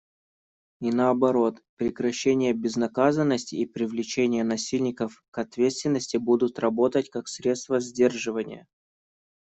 И наоборот, прекращение безнаказанности и привлечение насильников к ответственности будут работать как средство сдерживания.